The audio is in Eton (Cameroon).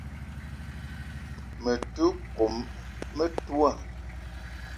Me te kome metoua